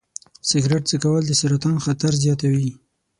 سګرټ څکول د سرطان خطر زیاتوي.